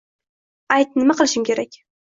— Ayt, nima qilishim kerak.